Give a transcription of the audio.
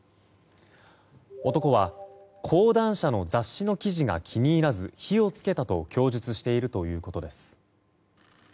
男は講談社の雑誌の記事が気に入らず火を付けたと供述しているということです。